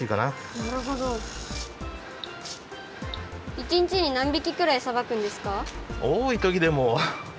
１にちになん匹くらいさばくんですか？